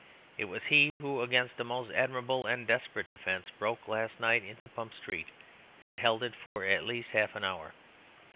It was he who, against a most admirable and desperate defence, broke last night into Pump Street and held it for at least half an hour.